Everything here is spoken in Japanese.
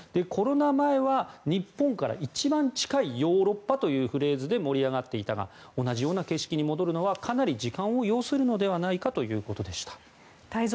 コロナ前は日本から一番近いヨーロッパというフレーズで盛り上がっていたが同じような景色に戻るのはかなり時間を要するのではないかということでした。